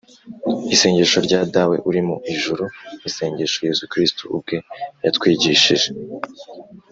isengesho rya “dawe uri mu ijuru”, isengesho yezu kristu ubwe yatwigishije